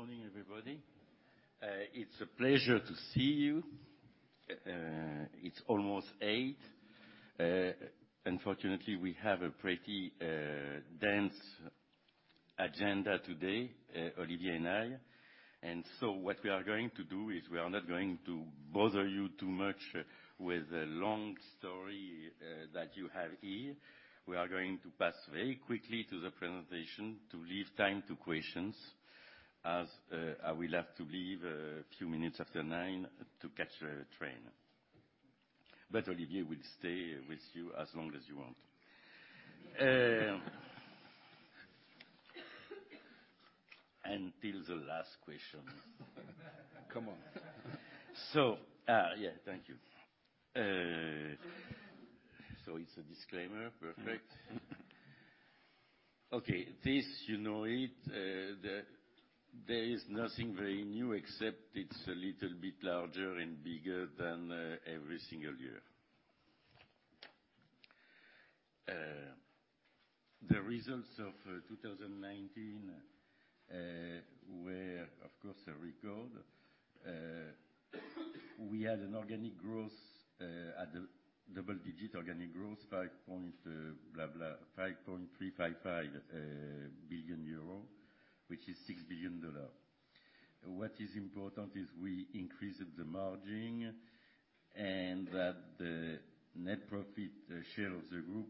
Good morning, everybody. It's a pleasure to see you. It's almost 8:00 A.M. Unfortunately, we have a pretty dense agenda today, Olivier and I. What we are going to do is we are not going to bother you too much with the long story that you have here. We are going to pass very quickly to the presentation to leave time to questions as I will have to leave a few minutes after 9:00 A.M. to catch a train. Olivier will stay with you as long as you want. Until the last question. Come on. Thank you. It's a disclaimer, perfect. Okay, this, you know it, there is nothing very new except it's a little bit larger and bigger than every single year. The results of 2019 were, of course, a record. We had a double-digit organic growth, 5.355 billion euro, which is $6 billion. What is important is we increased the margin, and that the net profit share of the group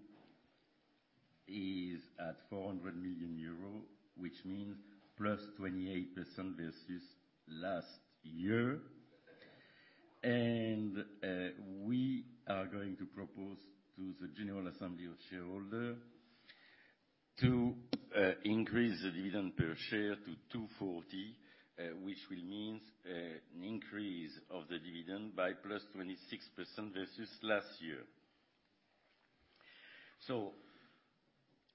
is at 400 million euro, which means +28% versus last year. We are going to propose to the general assembly of shareholders to increase the dividend per share to 2.40, which will mean an increase of the dividend by +26% versus last year.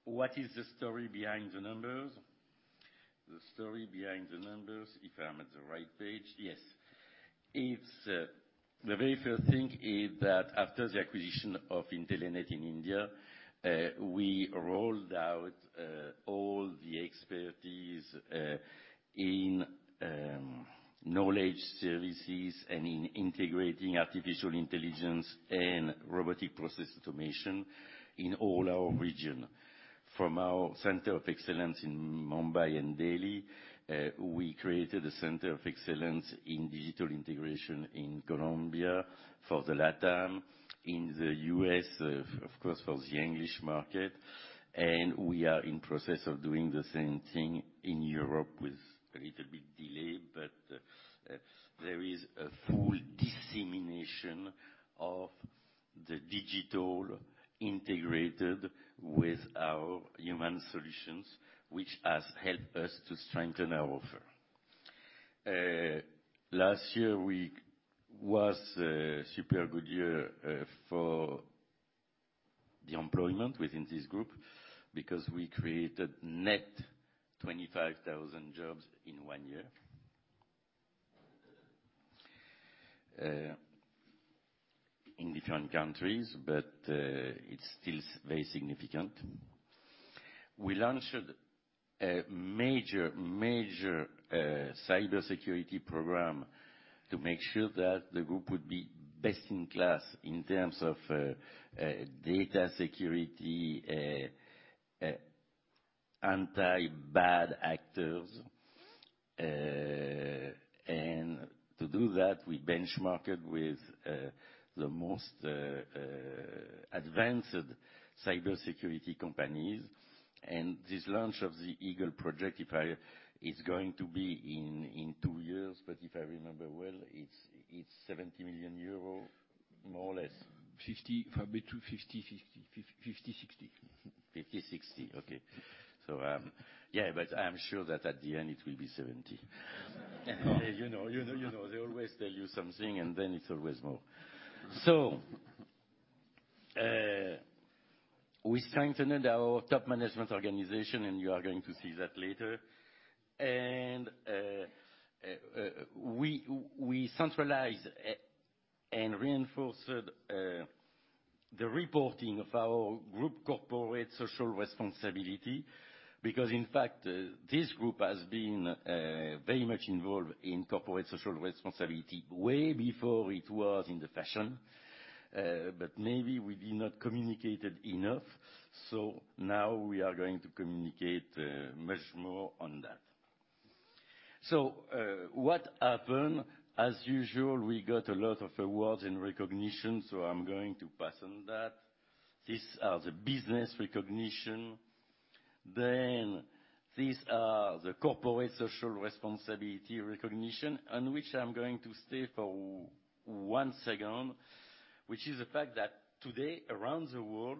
What is the story behind the numbers? The story behind the numbers, if I'm at the right page. Yes. The very first thing is that after the acquisition of Intelenet in India, we rolled out all the expertise in knowledge services and in integrating artificial intelligence and robotic process automation in all our region. From our center of excellence in Mumbai and Delhi, we created a center of excellence in digital integration in Colombia for the LatAm, in the U.S., of course, for the English market. We are in process of doing the same thing in Europe with a little bit delay. There is a full dissemination of the digital integrated with our human solutions, which has helped us to strengthen our offer. Last year was a super good year for the employment within this group because we created net 25,000 jobs in one year, in different countries, but it's still very significant. We launched a major cybersecurity program to make sure that the group would be best in class in terms of data security, anti-bad actors. To do that, we benchmarked with the most advanced cybersecurity companies. This launch of the Eagle Project, it's going to be in two years, but if I remember well, it's 70 million euro, more or less. 50, probably to 50/60. 50/60, okay. I'm sure that at the end it will be 70. You know, they always tell you something, and then it's always more. We strengthened our top management organization, and you are going to see that later. We centralized and reinforced the reporting of our group corporate social responsibility, because in fact, this group has been very much involved in corporate social responsibility way before it was in the fashion. Maybe we did not communicate it enough, now we are going to communicate much more on that. What happened? As usual, we got a lot of awards and recognition, so I'm going to pass on that. These are the business recognition. These are the corporate social responsibility recognition, on which I'm going to stay for one second, which is the fact that today, around the world,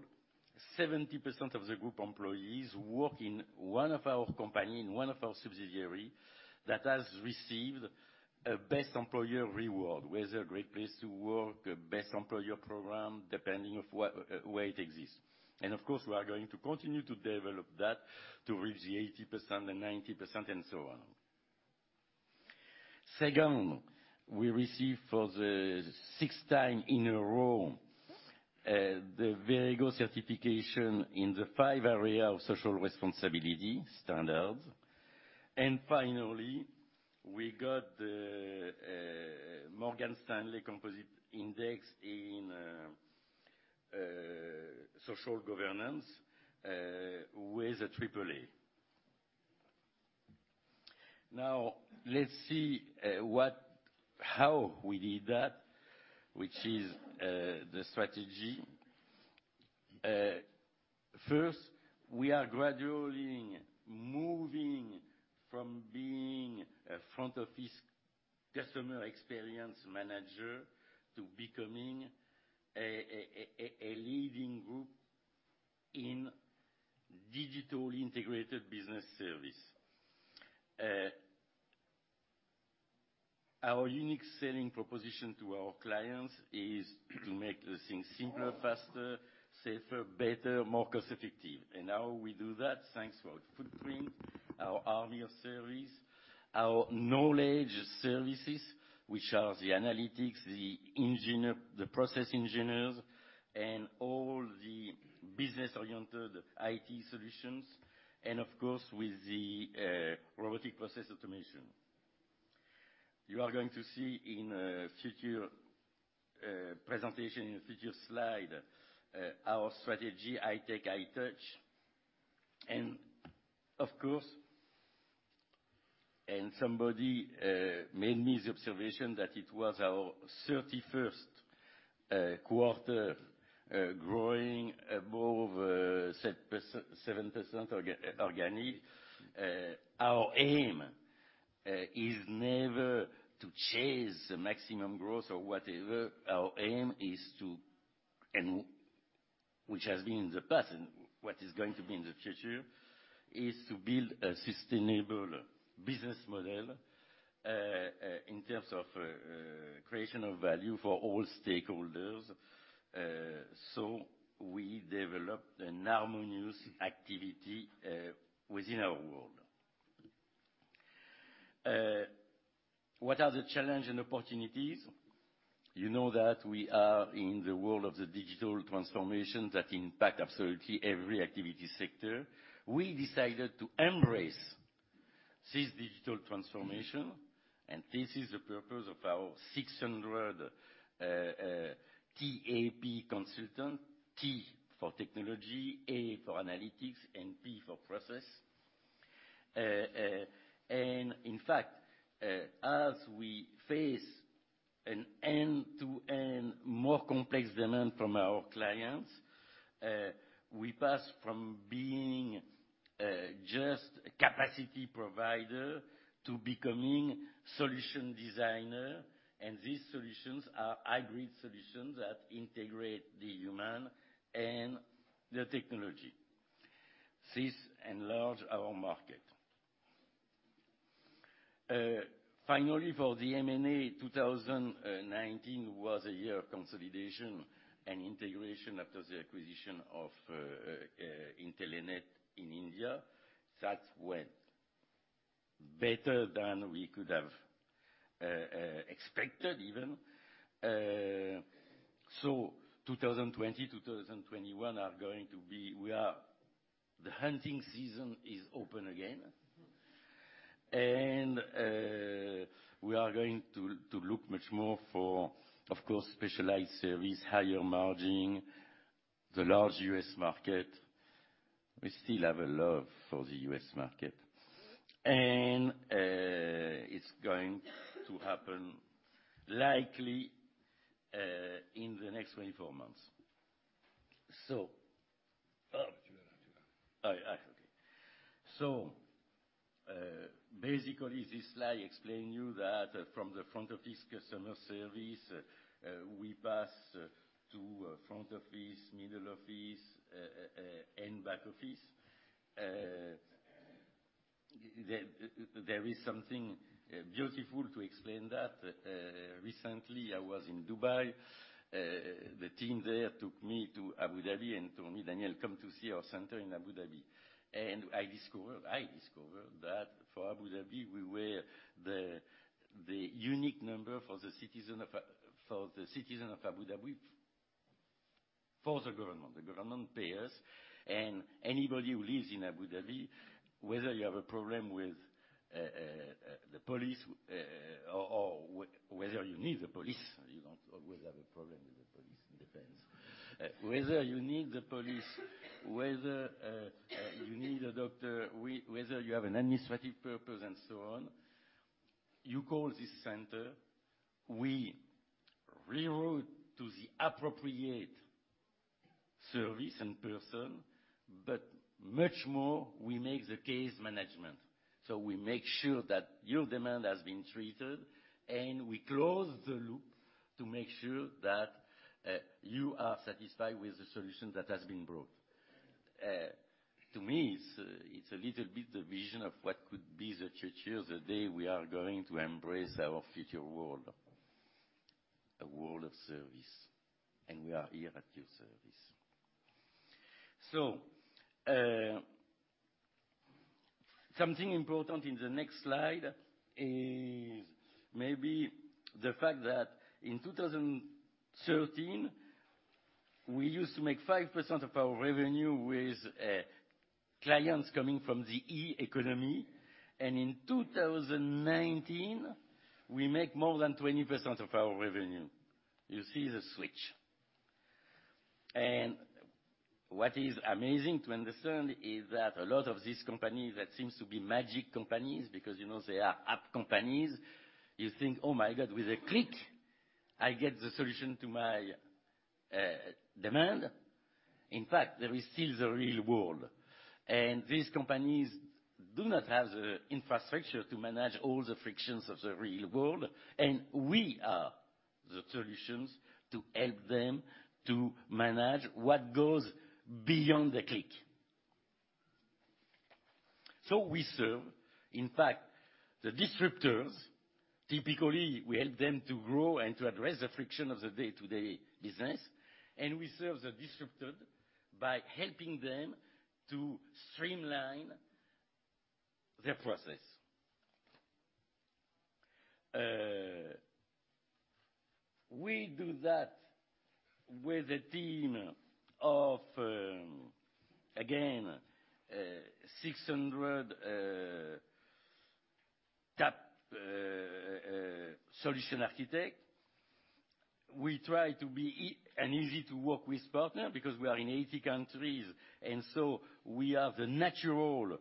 70% of the group employees work in one of our company, in one of our subsidiaries, that has received a best employer award, whether a Great Place to Work, a best employer program, depending on where it exists. Of course, we are going to continue to develop that to reach the 80% and 90% and so on. Second, we received for the sixth time in a row, the Verego certification in the five area of social responsibility standards. Finally, we got the Morgan Stanley Capital Index in social governance, with a AAA. Let's see how we did that, which is the strategy. First, we are gradually moving from being a front office customer experience manager to becoming a leading group in Digital Integrated Business Services. Our unique selling proposition to our clients is to make things simpler, faster, safer, better, more cost-effective. How we do that, thanks to our footprint, our army of service, our knowledge services, which are the analytics, the process engineers, and all the business-oriented IT solutions. Of course, with the robotic process automation. You are going to see in a future presentation, in a future slide, our strategy, high-tech, high-touch. Of course, somebody made me the observation that it was our 31st quarter growing above 7% organic. Our aim is never to chase the maximum growth or whatever. Our aim is to, and which has been in the past and what is going to be in the future, is to build a sustainable business model, in terms of creation of value for all stakeholders. We developed a harmonious activity within our world. What are the challenges and opportunities? You know that we are in the world of the digital transformation that impacts absolutely every activity sector. We decided to embrace this digital transformation, and this is the purpose of our 600 TAP consultants, T for technology, A for analytics, and P for process. In fact, as we face an end-to-end more complex demand from our clients, we pass from being just a capacity provider to becoming solution designers, and these solutions are hybrid solutions that integrate the human and the technology. This enlarges our market. Finally, for the M&A, 2019 was a year of consolidation and integration after the acquisition of Intelenet in India. That went better than we could have expected, even. 2020, 2021, the hunting season is open again. We are going to look much more for, of course, specialized services, higher margin, the large U.S. market. We still have a love for the U.S. market. It's going to happen likely in the next 24 months. Oh, yeah. Basically, this slide explain you that from the front office customer service, we pass to front office, middle office, and back office. There is something beautiful to explain that. Recently, I was in Dubai. The team there took me to Abu Dhabi and told me, "Daniel, come to see our center in Abu Dhabi." I discovered that for Abu Dhabi, we were the unique number for the citizen of Abu Dhabi, for the government. The government pays, anybody who lives in Abu Dhabi, whether you have a problem with the police or whether you need the police, you don't always have a problem with the police, it depends. Whether you need the police, whether you need a doctor, whether you have an administrative purpose and so on, you call this center. We reroute to the appropriate service and person, much more, we make the case management. We make sure that your demand has been treated, we close the loop to make sure that you are satisfied with the solution that has been brought. To me, it's a little bit the vision of what could be the future, the day we are going to embrace our future world. A world of service, and we are here at your service. Something important in the next slide is maybe the fact that in 2013, we used to make 5% of our revenue with clients coming from the e-economy. In 2019, we make more than 20% of our revenue. You see the switch. What is amazing to understand is that a lot of these companies that seems to be magic companies because they are app companies. You think, "Oh, my God, with a click, I get the solution to my demand." In fact, there is still the real world, and these companies do not have the infrastructure to manage all the frictions of the real world. We are the solutions to help them to manage what goes beyond the click. We serve, in fact, the disruptors. Typically, we help them to grow and to address the friction of the day-to-day business, and we serve the disrupted by helping them to streamline their process. We do that with a team of, again, 600 top solution architect. We try to be an easy to work with partner because we are in 80 countries, we are the natural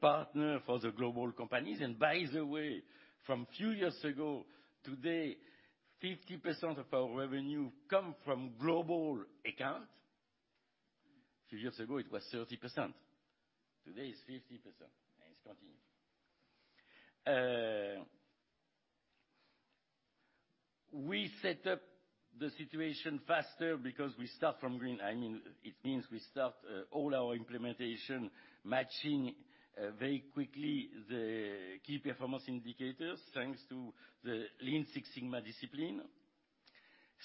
partner for the global companies. By the way, from a few years ago, today, 50% of our revenue come from global account. Few years ago, it was 30%, today is 50%, and it's continuing. We set up the situation faster because we start from green. It means we start all our implementation matching very quickly the Key Performance Indicators, thanks to the Lean Six Sigma discipline.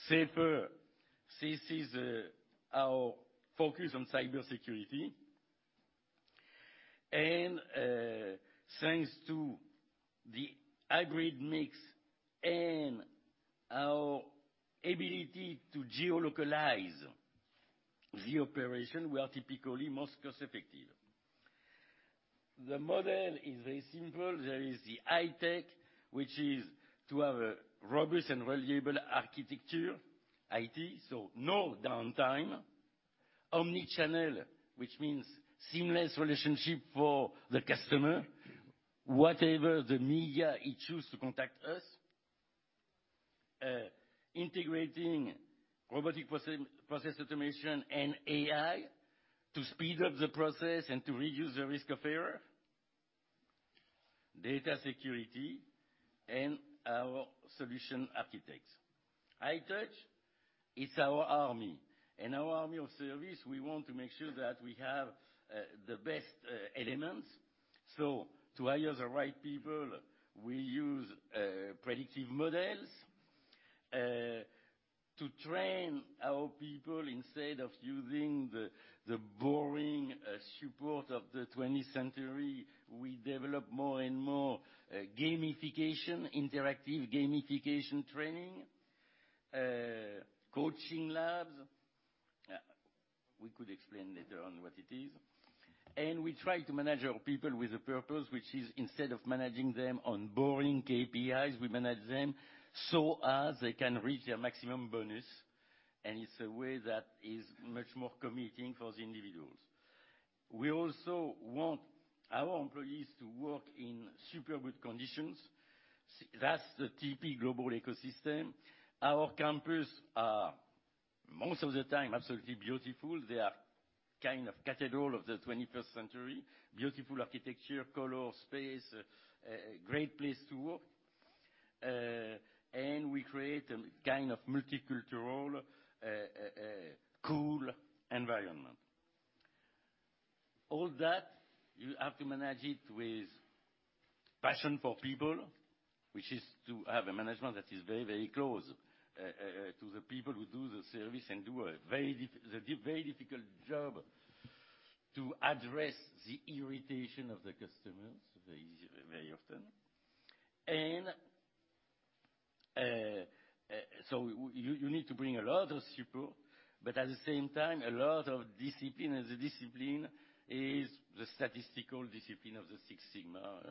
Safer, this is our focus on cybersecurity. Thanks to the hybrid mix and our ability to geo-localize the operation, we are typically most cost-effective. The model is very simple. There is the high-tech, which is to have a robust and reliable architecture, IT, so no downtime. Omnichannel, which means seamless relationship for the customer, whatever the media he choose to contact us. Integrating robotic process automation and AI to speed up the process and to reduce the risk of error. Data security and our solution architects. High touch is our army. In our army of service, we want to make sure that we have the best elements. To hire the right people, we use predictive models. To train our people instead of using the boring support of the 20th century, we develop more and more gamification, interactive gamification training, coaching labs. We could explain later on what it is. We try to manage our people with a purpose, which is instead of managing them on boring KPIs, we manage them so as they can reach their maximum bonus. It's a way that is much more committing for the individuals. We also want our employees to work in super good conditions. That's the TP Global ecosystem. Our campus are most of the time absolutely beautiful, they are cathedral of the 21st century. Beautiful architecture, color, space, great place to work, we create a kind of multicultural, cool environment. All that you have to manage it with passion for people, which is to have a management that is very close to the people who do the service and do the very difficult job to address the irritation of the customers very often. You need to bring a lot of support, but at the same time, a lot of discipline, as a discipline is the statistical discipline of the Six Sigma.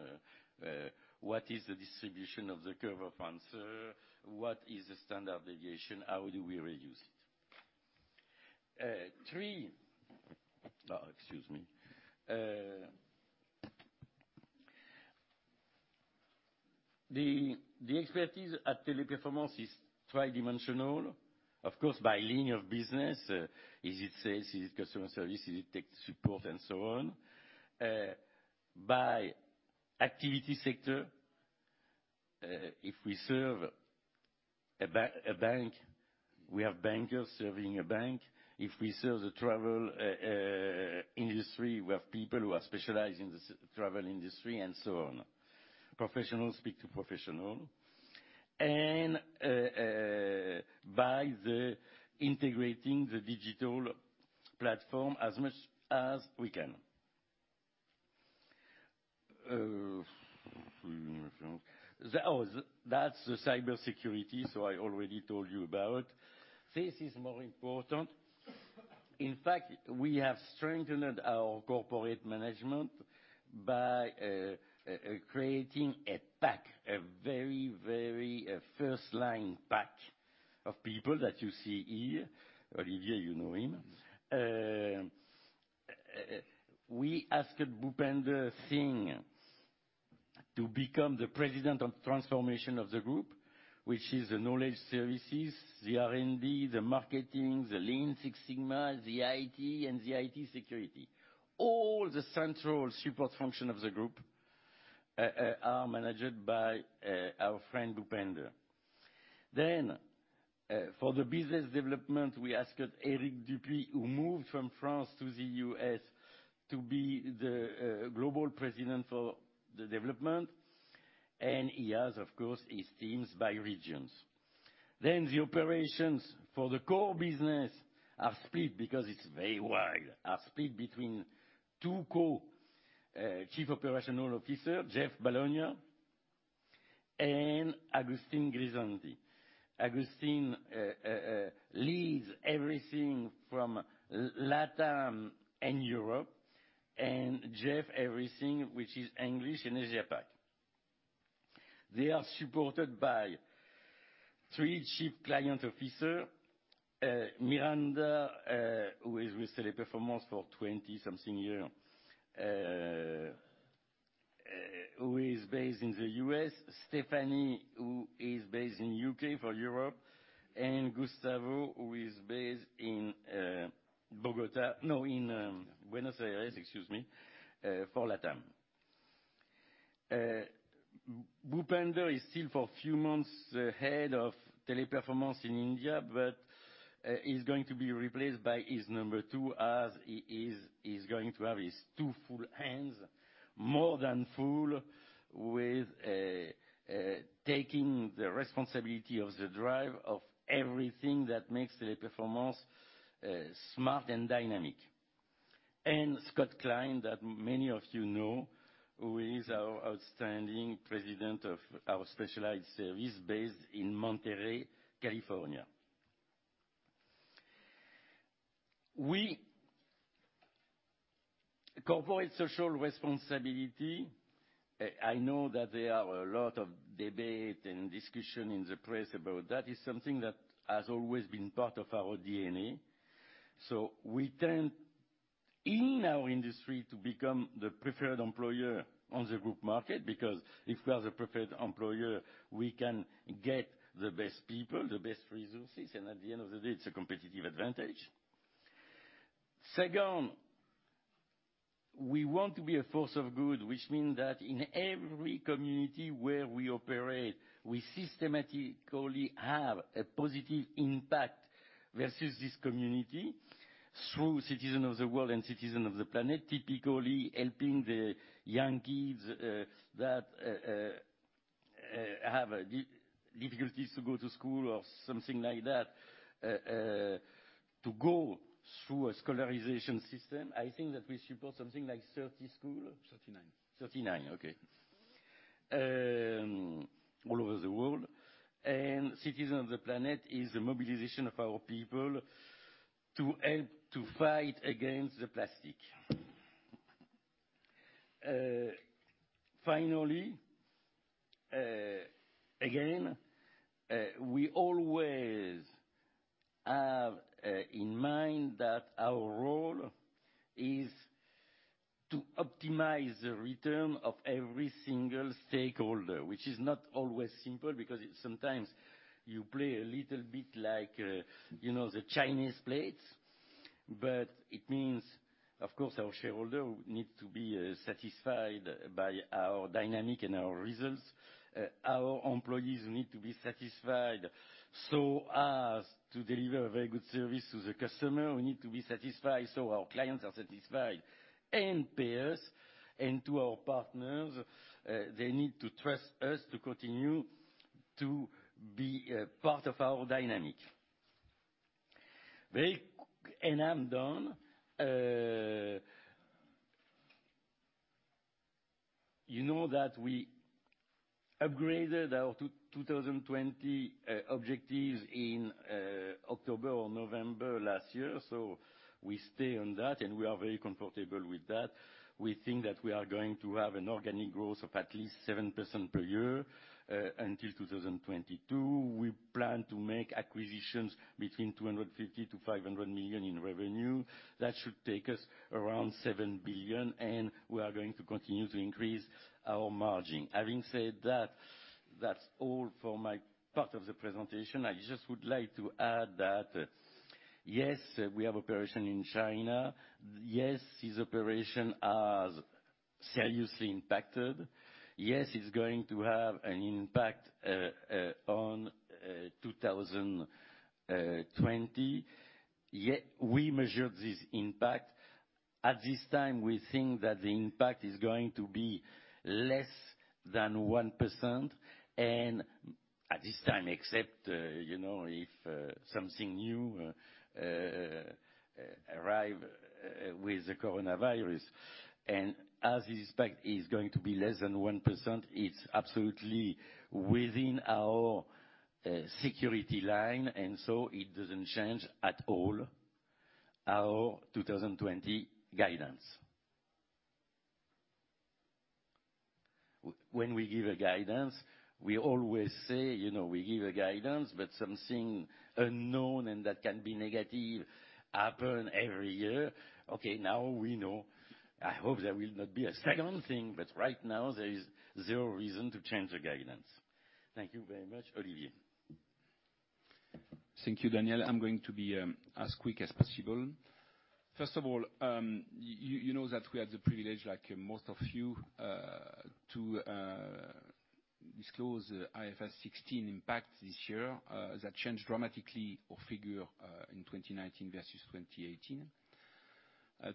What is the distribution of the curve of answer? What is the standard deviation? How do we reduce it? Three. Oh, excuse me. The expertise at Teleperformance is tri-dimensional. Of course, by line of business, is it sales? Is it customer service? Is it tech support and so on? By activity sector, if we serve a bank, we have bankers serving a bank. If we serve the travel industry, we have people who are specialized in the travel industry and so on. Professionals speak to professional, and by integrating the digital platform as much as we can. That's the cybersecurity, so I already told you about. This is more important. In fact, we have strengthened our corporate management by creating a pack, a very first line pack of people that you see here. Olivier, you know him. We asked Bhupender Singh to become the President of Transformation of the group, which is the knowledge services, the R&D, the marketing, the Lean Six Sigma, the IT, and the IT security. All the central support function of the group are managed by our friend Bhupender. For the business development, we asked Eric Dupuy, who moved from France to the U.S., to be the Global President for the development. He has, of course, his teams by regions. The operations for the core business are split because it is very wide, split between two Co-Chief Operating Officers, Jeff Balagna and Agustin Grisanti. Agustin leads everything from LatAm and Europe, and Jeff, everything which is English and Asia Pac. They are supported by three Chief Client Officer, Miranda, who is with Teleperformance for 20 something year, who is based in the U.S., Stephanie, who is based in the U.K. for Europe, and Gustavo, who is based in Buenos Aires, excuse me, for LatAm. Bhupender is still, for few months, the Head of Teleperformance in India, but he's going to be replaced by his number two, as he is going to have his two full hands, more than full, with taking the responsibility of the drive of everything that makes Teleperformance smart and dynamic. Scott Klein, that many of you know, who is our outstanding President of our Specialized Services based in Monterey, California. Corporate social responsibility. I know that there are a lot of debate and discussion in the press about that. It is something that has always been part of our DNA. We turn in our industry to become the preferred employer on the group market, because if we are the preferred employer, we can get the best people, the best resources, and at the end of the day, it's a competitive advantage. Second, we want to be a force of good, which mean that in every community where we operate, we systematically have a positive impact versus this community through Citizen of the World and Citizen of the Planet. Typically helping the young kids that have difficulties to go to school or something like that, to go through a scholarization system. I think that we support something like 30 school? 39. 39, okay. All over the world. Citizen of the Planet is the mobilization of our people to help to fight against the plastic. Finally, again, we always have in mind that our role is to optimize the return of every single stakeholder, which is not always simple, because sometimes you play a little bit like the Chinese plates. It means, of course, our shareholder need to be satisfied by our dynamic and our results. Our employees need to be satisfied so as to deliver a very good service to the customer, we need to be satisfied so our clients are satisfied and pay us. To our partners, they need to trust us to continue to be part of our dynamic. I'm done. You know that we upgraded our 2020 objectives in October or November last year. We stay on that, and we are very comfortable with that. We think that we are going to have an organic growth of at least 7% per year until 2022. We plan to make acquisitions between 250 million-500 million in revenue, that should take us around 7 billion, and we are going to continue to increase our margin. Having said that's all for my part of the presentation. I just would like to add that, yes, we have operation in China. Yes, this operation has seriously impacted. Yes, it's going to have an impact on 2020, we measured this impact. At this time, we think that the impact is going to be less than 1%, at this time, except if something new arrive with the coronavirus. As this impact is going to be less than 1%, it's absolutely within our security line, and so it doesn't change at all our 2020 guidance. When we give a guidance, we always say, we give a guidance, but something unknown and that can be negative happen every year. Okay, now we know. I hope there will not be a second thing, but right now there is zero reason to change the guidance. Thank you very much. Olivier. Thank you, Daniel. I'm going to be as quick as possible. First of all, you know that we had the privilege, like most of you, to disclose IFRS 16 impact this year. That changed dramatically our figure in 2019 versus 2018.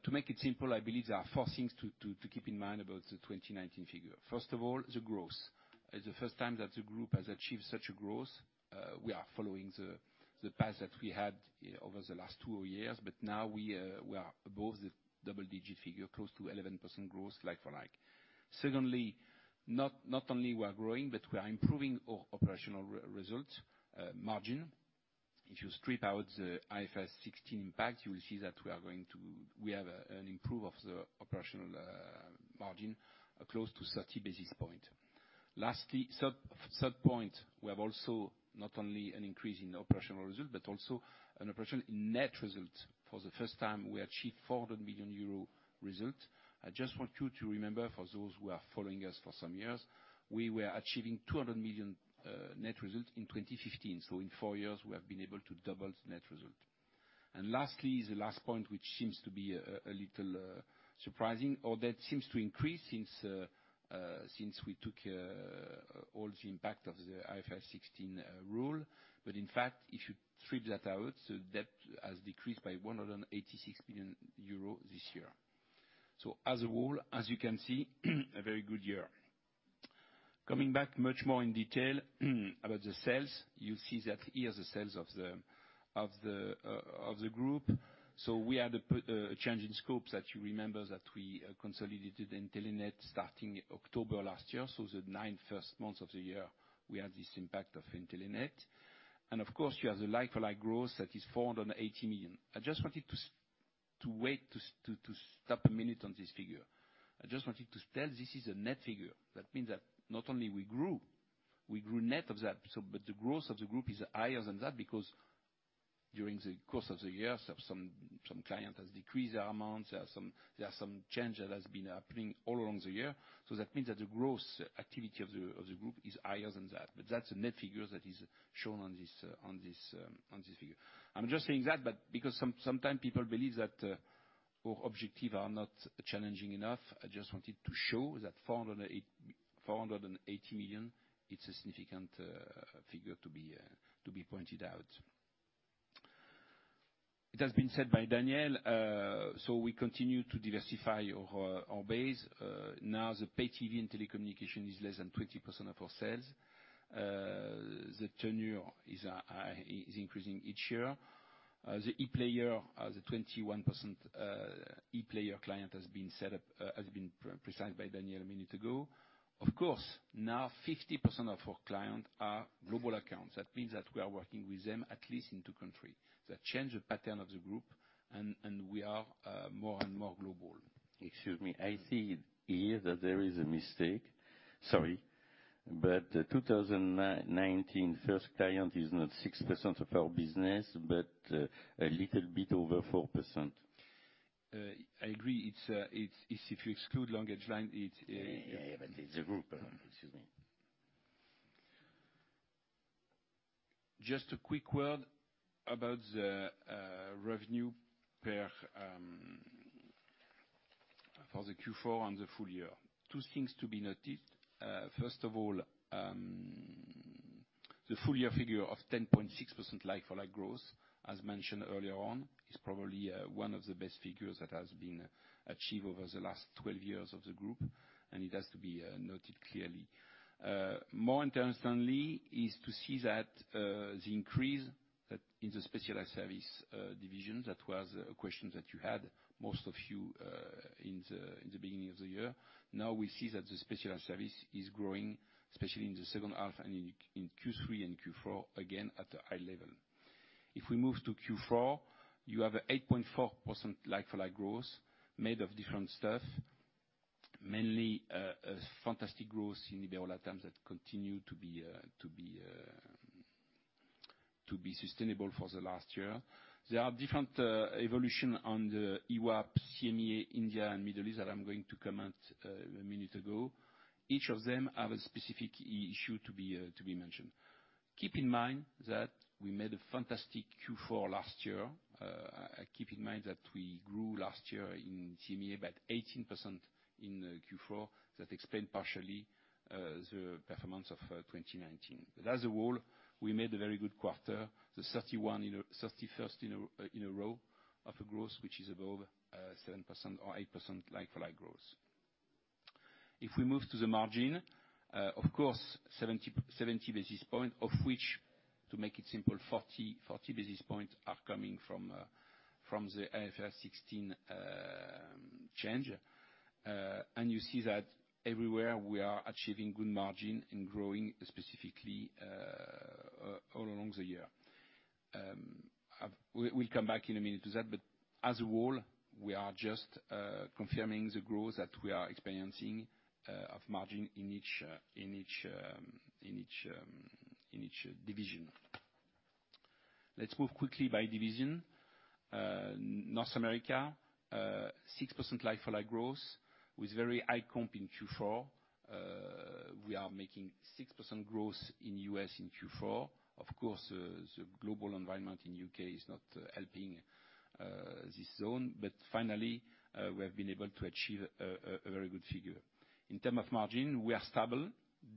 To make it simple, I believe there are four things to keep in mind about the 2019 figure. First of all, the growth. It's the first time that the group has achieved such a growth. We are following the path that we had over the last two years, but now we are above the double-digit figure, close to 11% growth, like for like. Secondly, not only we are growing, but we are improving our operational result margin. If you strip out the IFRS 16 impact, you will see that we have an improve of the operational margin close to 30 basis points. Third point, we have also not only an increase in operational result, but also an operational net result. For the first time, we achieved 400 million euro result. I just want you to remember, for those who are following us for some years, we were achieving 200 million net result in 2015. In four years, we have been able to double the net result. Lastly, the last point, which seems to be a little surprising, or that seems to increase since we took all the impact of the IFRS 16 rule, but in fact, if you strip that out, the debt has decreased by 186 million euro this year. As a whole, as you can see, a very good year. Coming back much more in detail about the sales, you see that here are the sales of the group. We had a change in scope that you remember, that we consolidated Intelenet starting October last year. The nine first months of the year, we had this impact of Intelenet. Of course, you have the like-for-like growth that is 480 million. I just wanted to stop a minute on this figure. I just wanted to tell this is a net figure, that means that not only we grew, we grew net of that, but the growth of the group is higher than that because during the course of the year, some client has decreased their amounts. There are some change that has been happening all along the year, that means that the growth activity of the group is higher than that. That's a net figure that is shown on this figure. I'm just saying that because sometimes people believe that our objectives are not challenging enough. I just wanted to show that 480 million, it's a significant figure to be pointed out. It has been said by Daniel. We continue to diversify our base, now the pay TV and telecommunication is less than 20% of our sales. The tenure is increasing each year. The ePlayer, the 21% ePlayer client has been precised by Daniel a minute ago. Of course, now 50% of our clients are global accounts. That means that we are working with them at least in two countries. That changes the pattern of the group, and we are more and more global. Excuse me, I see here that there is a mistake. Sorry. 2019, first client is not 6% of our business, a little bit over 4%. I agree, if you exclude LanguageLine. Yeah, the group. Excuse me. Just a quick word about the revenue for the Q4 and the full year. Two things to be noted. First of all, the full year figure of 10.6% like-for-like growth, as mentioned earlier on, is probably one of the best figures that has been achieved over the last 12 years of the group, and it has to be noted clearly. More interestingly, is to see that the increase in the Specialized Services, that was a question that you had, most of you, in the beginning of the year. Now we see that the Specialized Services is growing, especially in the second half and in Q3 and Q4, again at a high level. If we move to Q4, you have a 8.4% like-for-like growth made of different stuff. Mainly a fantastic growth in IberoLatAm that continue to be sustainable for the last year. There are different evolution on the EWAP, EMEA, India, and Middle East that I'm going to comment a minute ago. Each of them have a specific issue to be mentioned. Keep in mind that we made a fantastic Q4 last year. Keep in mind that we grew last year in EMEA about 18% in Q4, that explain partially the performance of 2019. As a whole, we made a very good quarter, the 31st in a row of a growth which is above 7% or 8% like-for-like growth. If we move to the margin, of course, 70 basis point, of which, to make it simple, 40 basis points are coming from the IFRS 16 change. You see that everywhere we are achieving good margin and growing specifically all along the year. We'll come back in a minute to that. As a whole, we are just confirming the growth that we are experiencing of margin in each division. Let's move quickly by division. North America, 6% like-for-like growth with very high comp in Q4. We are making 6% growth in U.S. in Q4. Of course, the global environment in U.K. is not helping this zone, but finally, we have been able to achieve a very good figure. In terms of margin, we are stable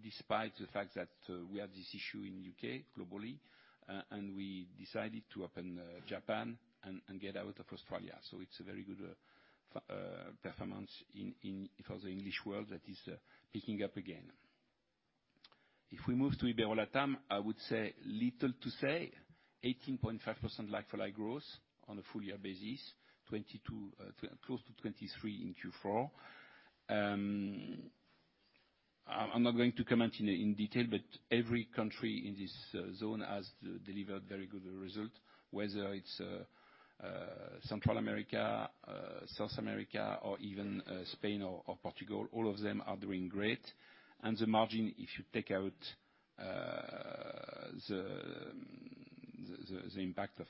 despite the fact that we have this issue in U.K. globally, and we decided to open Japan and get out of Australia. It's a very good performance for the English world that is picking up again. If we move to IberoLatAm, I would say, little to say, 18.5% like-for-like growth on a full year basis, close to 23% in Q4. I'm not going to comment in detail, but every country in this zone has delivered very good results, whether it's Central America, South America, or even Spain or Portugal. All of them are doing great. The margin, if you take out the impact of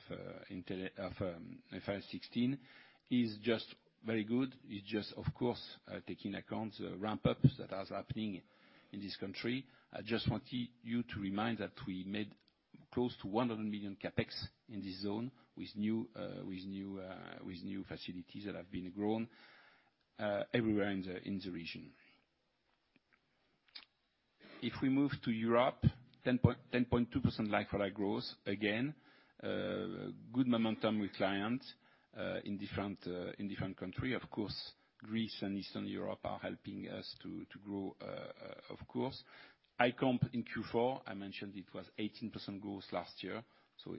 IFRS 16, is just very good. It's just, of course, taking account the ramp-up that was happening in this country. I just want you to remind that we made close to 100 million CapEx in this zone with new facilities that have been grown everywhere in the region. If we move to Europe, 10.2% like-for-like growth. Again, good momentum with clients in different country. Of course, Greece and Eastern Europe are helping us to grow, of course. High comp in Q4, I mentioned it was 18% growth last year,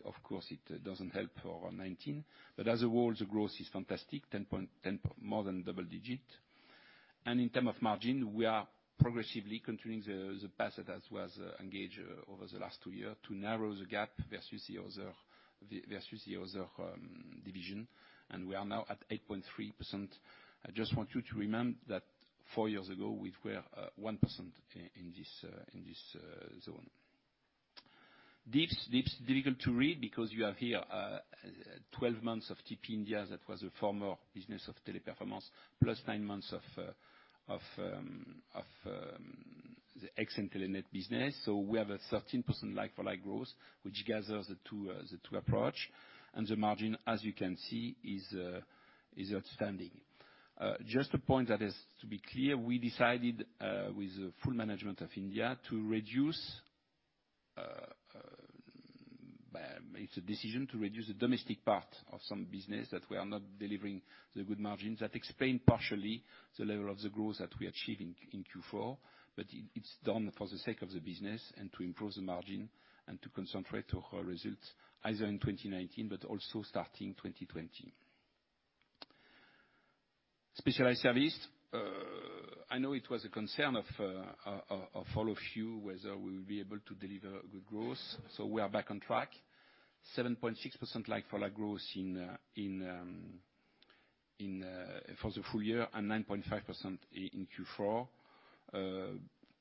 of course it doesn't help for 2019. As a whole, the growth is fantastic, more than double-digit. In terms of margin, we are progressively continuing the path that was engaged over the last two years to narrow the gap versus the other division, and we are now at 8.3%. I just want you to remember that four years ago, we were 1% in this zone. D.I.B.S., D.I.B.S., is difficult to read because you have here 12 months of TP India, that was a former business of Teleperformance, plus nine months of the ex Intelenet business. We have a 13% like-for-like growth, which gathers the two approaches, and the margin, as you can see, is outstanding. Just a point that is, to be clear, we decided with the full management of India, it's a decision to reduce the domestic part of some businesses that were not delivering good margins. That explain partially the level of the growth that we achieve in Q4. It's done for the sake of the business and to improve the margin and to concentrate our results either in 2019 but also starting 2020. Specialized Services. I know it was a concern of all of you whether we will be able to deliver good growth. We are back on track, 7.6% like-for-like growth for the full year and 9.5% in Q4.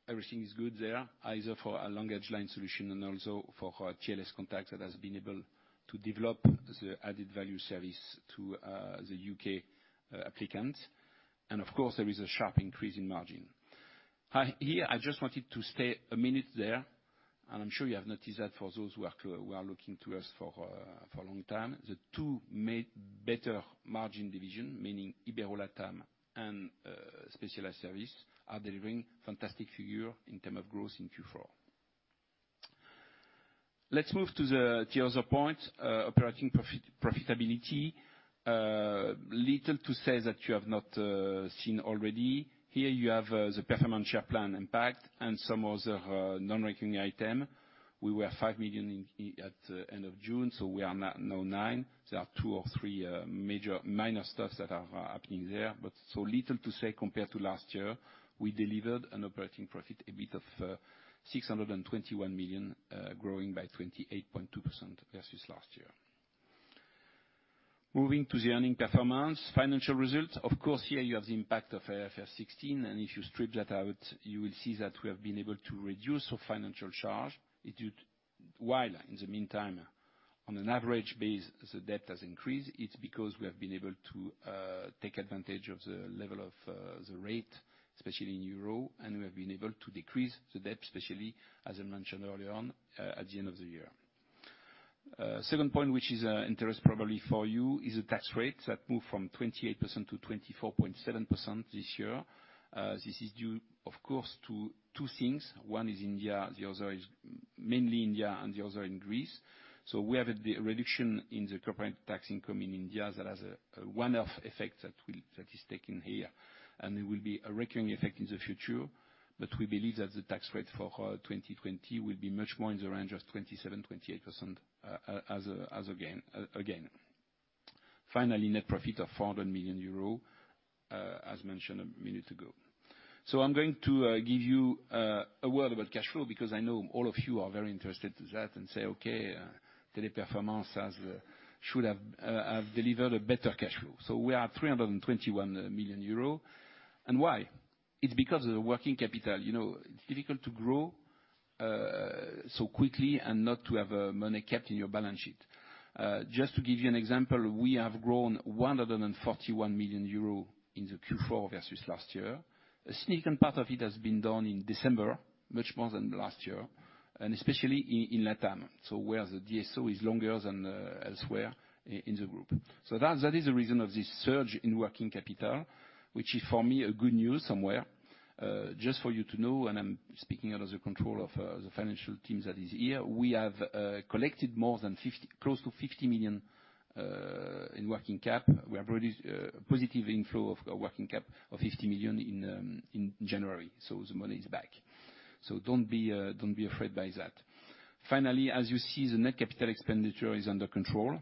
Everything is good there, either for our LanguageLine Solutions and also for our TLScontact that has been able to develop the added value service to the U.K. applicant. Of course, there is a sharp increase in margin. Here, I just wanted to stay a minute there, and I'm sure you have noticed that for those who are looking to us for a long time, the two better margin division, meaning IberoLatAm and Specialized Services, are delivering fantastic figure in term of growth in Q4. Let's move to the other point, operating profitability. Little to say that you have not seen already. Here you have the performance share plan impact and some other non-recurring item. We were 5 million at the end of June, so we are now 9 million. There are two or three minor stuff that are happening there. Little to say compared to last year, we delivered an operating profit EBIT of 621 million, growing by 28.2% versus last year. Moving to the earning performance, financial results. Of course, here you have the impact of IFRS 16, and if you strip that out, you will see that we have been able to reduce our financial charge while in the meantime, on an average base, the debt has increased. It's because we have been able to take advantage of the level of the rate, especially in euro, and we have been able to decrease the debt, especially as I mentioned earlier on, at the end of the year. Second point, which is interest probably for you is the tax rate that moved from 28%-24.7% this year. This is due, of course, to two things. One is India, the other is mainly India, and the other in Greece. We have a reduction in the corporate tax income in India that has a one-off effect that is taken here, and it will be a recurring effect in the future. We believe that the tax rate for 2020 will be much more in the range of 27%-28% as again. Finally, net profit of 400 million euro, as mentioned a minute ago. I'm going to give you a word about cash flow, because I know all of you are very interested in that and say, okay, Teleperformance should have delivered a better cash flow. We are at 321 million euros, and why? It's because of the working capital. It's difficult to grow so quickly and not to have money kept in your balance sheet. Just to give you an example, we have grown 141 million euros in the Q4 versus last year. A significant part of it has been done in December, much more than last year, and especially in LatAm, where the DSO is longer than elsewhere in the group. That is the reason of this surge in working capital, which is for me, a good news somewhere. Just for you to know, and I'm speaking out of the control of the financial team that is here, we have collected close to 50 million in working cap. We have positive inflow of working cap of 50 million in January. The money is back, don't be afraid by that. Finally, as you see, the net capital expenditure is under control,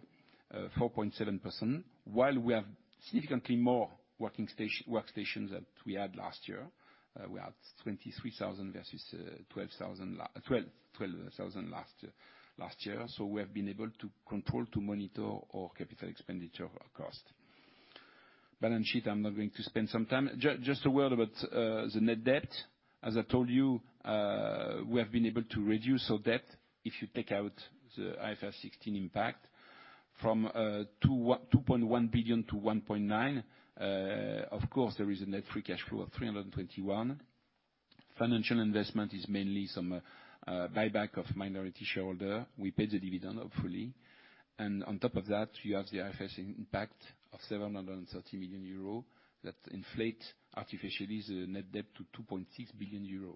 4.7%, while we have significantly more workstations than we had last year. We had 23,000 versus 12,000 last year. We have been able to control, to monitor our capital expenditure cost. Balance sheet, I'm not going to spend some time. Just a word about the net debt. As I told you, we have been able to reduce our debt, if you take out the IFRS 16 impact, from 2.1 billion-1.9 billion. Of course, there is a net free cash flow of 321 million. Financial investment is mainly some buyback of minority shareholder. We pay the dividend, hopefully. On top of that, you have the IFRS impact of 730 million euros that inflate artificially the net debt to 2.6 billion euros.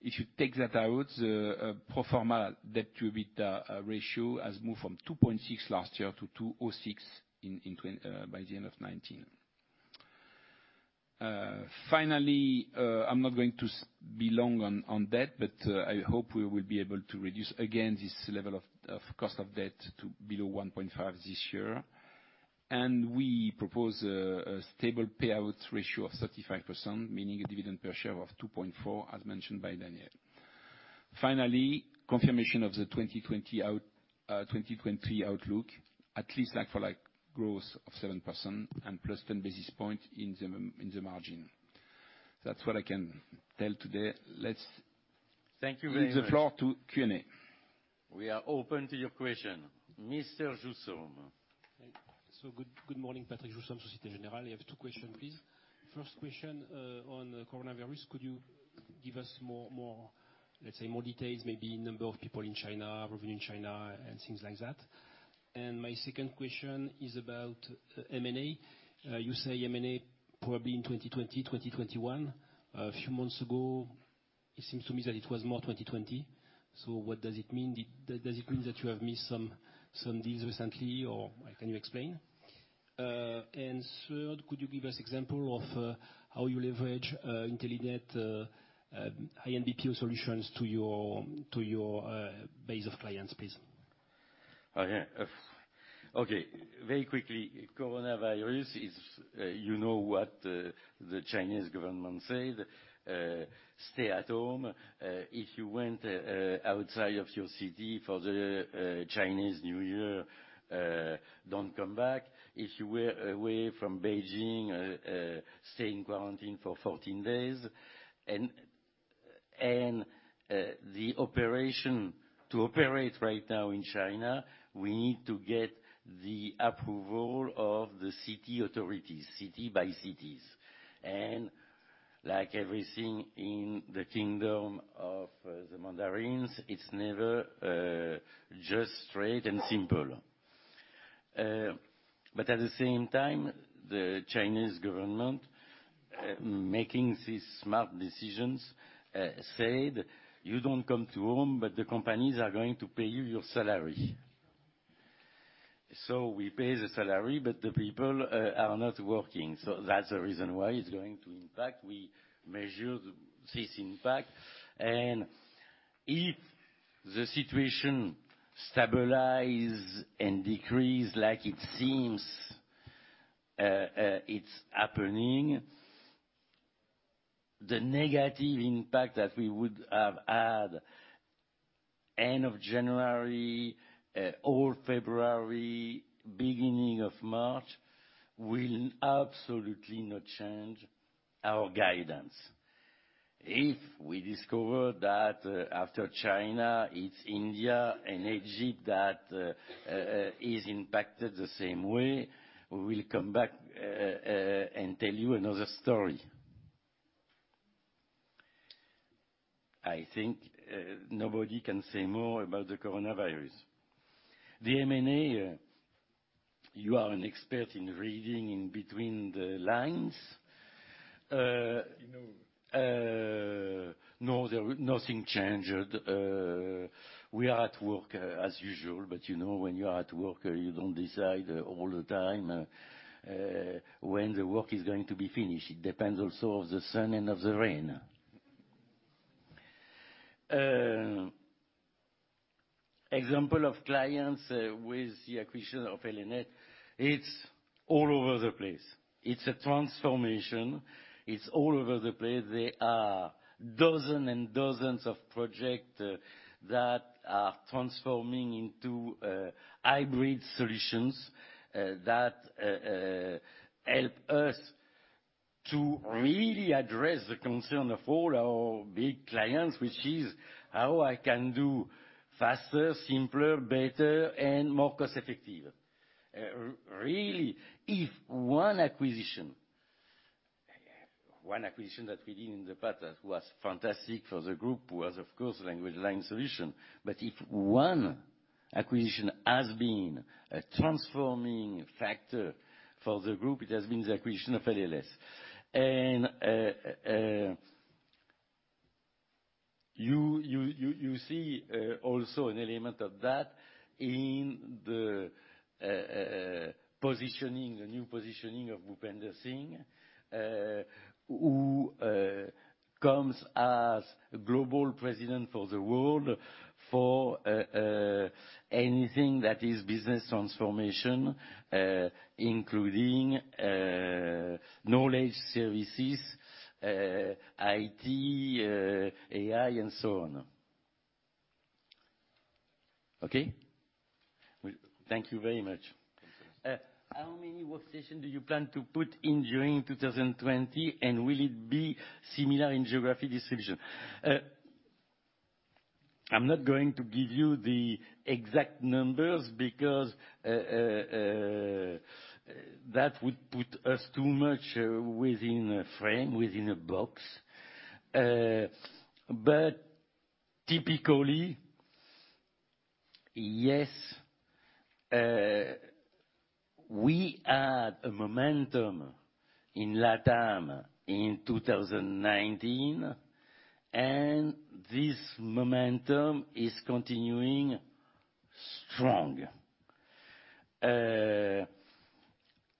If you take that out, the pro forma debt to EBITDA ratio has moved from 2.6x last year to 2.06x by the end of 2019. Finally, I'm not going to be long on debt, but I hope we will be able to reduce again this level of cost of debt to below 1.5% this year. We propose a stable payout ratio of 35%, meaning a dividend per share of 2.4 as mentioned by Daniel. Finally, confirmation of the 2020 outlook, at least like-for-like growth of 7% and +10 basis points in the margin. That's what I can tell today, thank you very much. Give the floor to Q&A. We are open to your question. Mr. Jousseaume. Good morning, Patrick Jousseaume, Société Générale. I have two questions, please. First question on coronavirus. Could you give us more, let's say, more details, maybe number of people in China, revenue in China, and things like that? My second question is about M&A. You say M&A probably in 2020, 2021. A few months ago, it seems to me that it was more 2020, what does it mean? Does it mean that you have missed some deals recently, or can you explain? Third, could you give us examples of how you leverage Intelenet high-end BPO solutions to your base of clients, please? Okay. Very quickly, coronavirus is, you know what the Chinese government said, "Stay at home. If you went outside of your city for the Chinese New Year, don't come back. If you were away from Beijing, stay in quarantine for 14 days." The operation to operate right now in China, we need to get the approval of the city authorities, city by cities. Like everything in the kingdom of the Mandarins, it's never just straight and simple. At the same time, the Chinese government, making these smart decisions, said, "You don't come to home, but the companies are going to pay you your salary." We pay the salary, but the people are not working. That's the reason why it's going to impact. We measure this impact. If the situation stabilizes and decreases like it seems it is happening, the negative impact that we would have had end of January, all February, beginning of March, will absolutely not change our guidance. If we discover that after China, it is India and Egypt that is impacted the same way, we will come back and tell you another story. I think nobody can say more about the coronavirus. The M&A, you are an expert in reading in between the lines. You know, no, nothing changed. We are at work as usual, you know when you are at work, you don't decide all the time when the work is going to be finished. It depends also of the sun and of the rain. Example of clients with the acquisition of Eli Lilly, it's all over the place. It's a transformation, it's all over the place. There are dozens and dozens of projects that are transforming into hybrid solutions that help us to really address the concern of all our big clients, which is how I can do faster, simpler, better, and more cost-effective. Really, if one acquisition that we did in the past that was fantastic for the group, was of course LanguageLine Solutions. If one acquisition has been a transforming factor for the group, it has been the acquisition of LLS. You see also an element of that in the new positioning of Bhupender Singh, who comes as Global President for the world for anything that is business transformation, including knowledge services, IT, AI, and so on. Okay? Thank you very much. Thanks. How many workstation do you plan to put in during 2020, and will it be similar in geographic distribution? I'm not going to give you the exact numbers because that would put us too much within a frame, within a box. Typically, yes, we had a momentum in LatAm in 2019, and this momentum is continuing strong.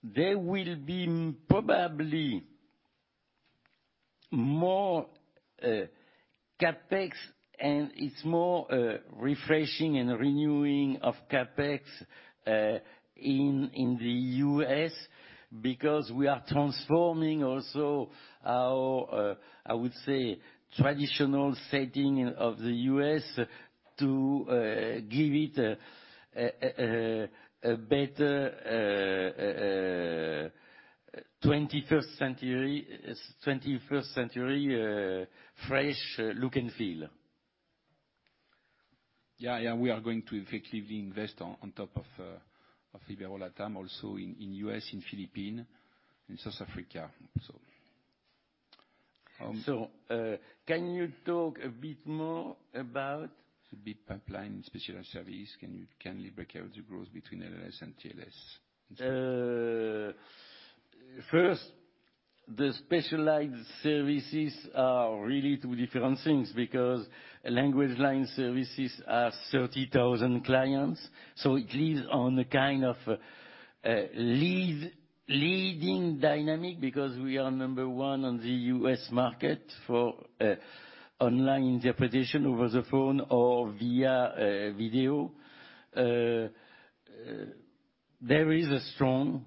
There will be probably more CapEx, and it's more refreshing and renewing of CapEx in the U.S. because we are transforming also our, I would say, traditional setting of the U.S. to give it a better 21st century fresh look and feel. Yeah. We are going to effectively invest on top of IberioLatAm, also in U.S., in Philippines, in South Africa. Can you talk a bit more about the big pipeline Specialized Services. Can you kindly break out the growth between LLS and TLScontact? First, the Specialized Services are really two different things because LanguageLine Services have 30,000 clients. It lives on a kind of leading dynamic because we are number one on the U.S. market for online interpretation over the phone or via video. There is a strong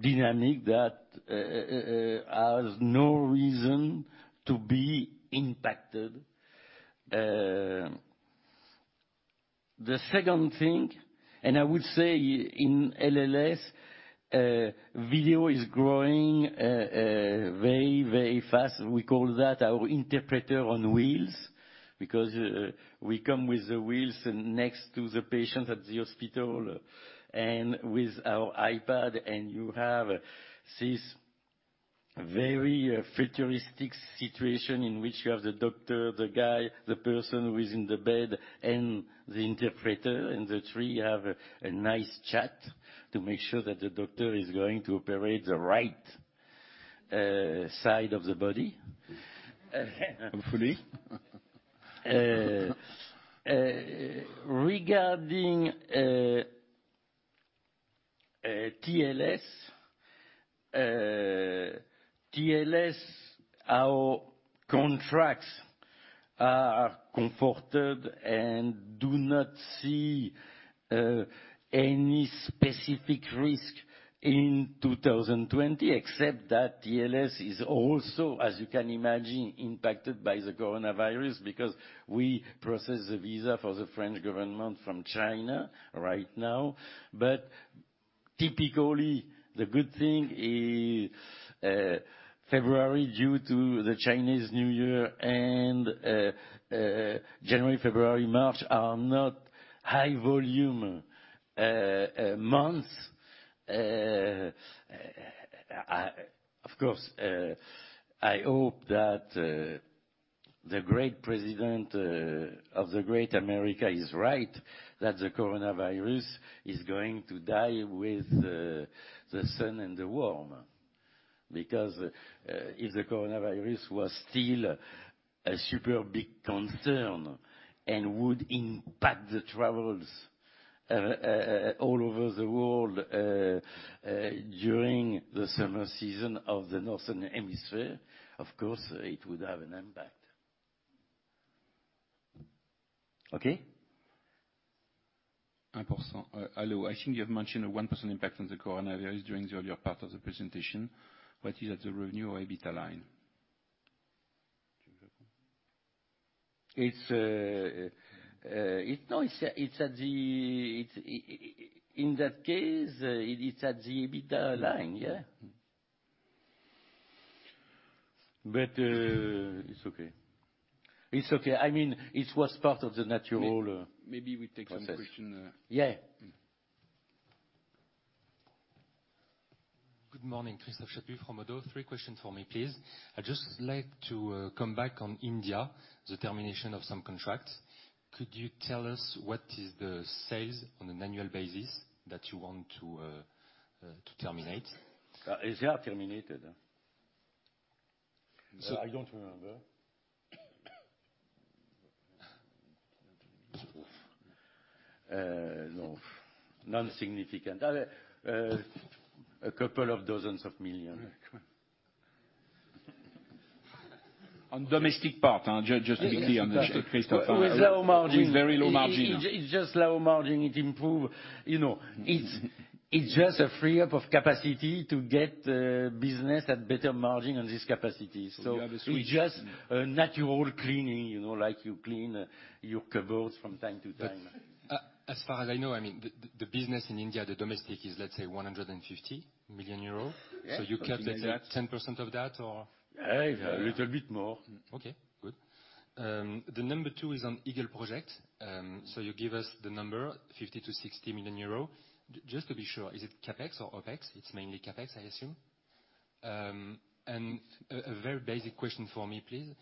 dynamic that has no reason to be impacted. The second thing, I would say in LLS, video is growing very, very fast. We call that our interpreter on wheels because we come with the wheels next to the patient at the hospital and with our iPad, you have this very futuristic situation in which you have the doctor, the guy, the person who is in the bed, and the interpreter, the three have a nice chat to make sure that the doctor is going to operate the right side of the body. Hopefully. Regarding TLScontact, our contracts are comforted and do not see any specific risk in 2020 except that TLScontact is also, as you can imagine, impacted by the coronavirus because we process the visa for the French government from China right now. Typically, the good thing is February due to the Chinese New Year and January, February, March are not high volume months. Of course, I hope that the great president of the great America is right, that the coronavirus is going to die with the sun and the warm. If the coronavirus was still a super big concern and would impact the travels all over the world during the summer season of the northern hemisphere, of course, it would have an impact. Okay? Hello. I think you have mentioned a 1% impact on the coronavirus during the earlier part of the presentation. What is that, the revenue or EBITDA line? In that case, it's at the EBITDA line, yeah. It's okay. It's okay, I mean, it was part of the natural. Maybe we take some question. Yeah. Good morning. Christophe Chaput from Oddo. Three questions for me, please. I'd just like to come back on India, the termination of some contracts. Could you tell us what is the sales on an annual basis that you want to terminate? They are terminated. I don't remember. Non-significant. A couple of dozens of million. On domestic part, just to be clear on Christophe- With low margin. With very low margin. It's just low margin. It's just a free-up of capacity to get business at better margin on this capacity. It's just a natural cleaning, like you clean your cupboards from time to time. As far as I know, the business in India, the domestic is, let's say 150 million euro. Yeah. You cut, let's say 10% of that or? A little bit more. Okay, good. The number two is on Eagle Project. You give us the number 50 million-60 million euro. Just to be sure, is it CapEx or OpEx? It's mainly CapEx, I assume. A very basic question for me, please.